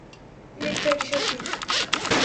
মিথ্যা - এটা সত্যি।